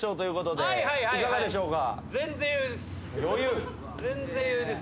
いかがでしょうか？